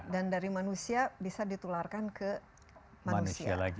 dan dari manusia bisa ditularkan ke manusia